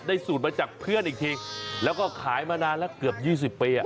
สูตรมาจากเพื่อนอีกทีแล้วก็ขายมานานแล้วเกือบ๒๐ปี